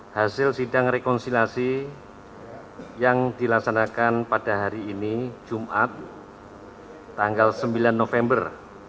hasil sidang rekonsilasi yang dilaksanakan pada hari ini jumat tanggal sembilan november dua ribu delapan belas